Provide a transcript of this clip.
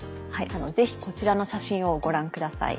ぜひこちらの写真をご覧ください。